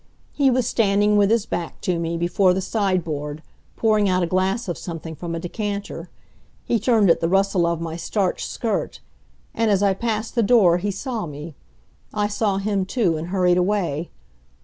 He was standing with his back to me, before the sideboard, pouring out a glass of something from a decanter. He turned at the rustle of my starched skirt, and, as I passed the door, he saw me. I saw him, too, and hurried away.